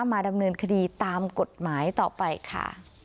มาดำเนินคดีตามกฎหมายต่อไปค่ะ